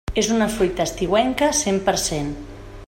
És una fruita estiuenca cent per cent.